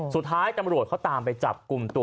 สุดท้ายตำรวจเขาตามไปจับกลุ่มตัว